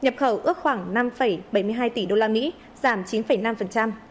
nhập khẩu ước khoảng năm bảy mươi hai tỷ đô la mỹ giảm chín năm